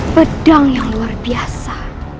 pedang yang luar biasa